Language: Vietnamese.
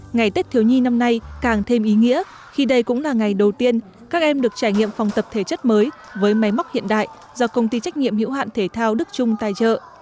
ngày tết thiếu nhi năm nay càng thêm ý nghĩa khi đây cũng là ngày đầu tiên các em được trải nghiệm phòng tập thể chất mới với máy móc hiện đại do công ty trách nhiệm hữu hạn thể thao đức trung tài trợ